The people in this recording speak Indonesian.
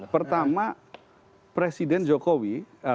pertama presiden jokowi